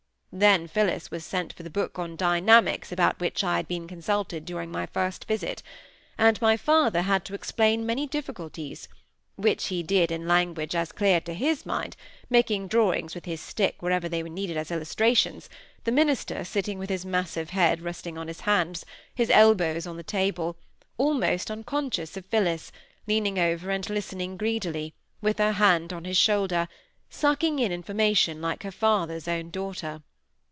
Then Phillis was sent for the book on dynamics about which I had been consulted during my first visit, and my father had to explain many difficulties, which he did in language as clear as his mind, making drawings with his stick wherever they were needed as illustrations, the minister sitting with his massive head resting on his hands, his elbows on the table, almost unconscious of Phillis, leaning over and listening greedily, with her hand on his shoulder, sucking in information like her father's own daughter.